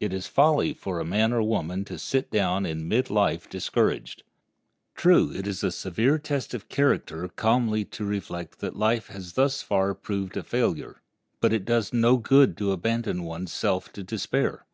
It is folly for a man or woman to sit down in mid life discouraged. True, it is a severe test of character calmly to reflect that life has thus far proved a failure, but it does no good to abandon one's self to despair.